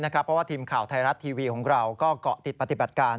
เพราะว่าทีมข่าวไทยรัฐทีวีของเราก็เกาะติดปฏิบัติการ